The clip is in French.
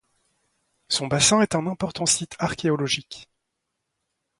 Son bassin est un important site archéologique.